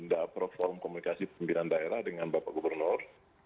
dapro forum komunikasi pemimpinan daerah dengan bapak gubernur